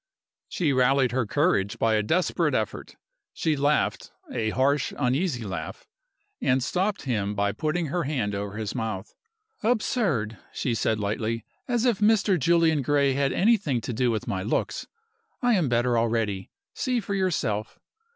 She rallied her courage by a desperate effort; she laughed a harsh, uneasy laugh and stopped him by putting her hand over his mouth. "Absurd!" she said, lightly. "As if Mr. Julian Gray had anything to do with my looks! I am better already. See for yourself!"